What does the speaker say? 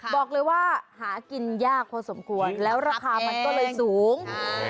บอกเลยว่าหากินยากพอสมควรแล้วราคามันก็เลยสูง